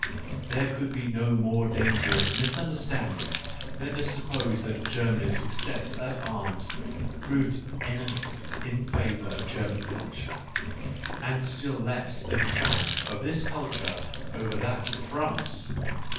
/There could be no more dangerous misunder standing than to suppose that Germany's success at arms proved anything in favour of German culture — and still less the triumph of this culture over that of France.